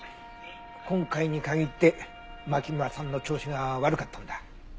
今回に限って牧村さんの調子が悪かったんだ。